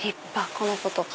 この子とか。